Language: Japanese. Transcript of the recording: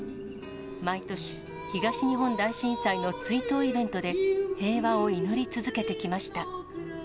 毎年、東日本大震災の追悼イベントで、平和を祈り続けてきました。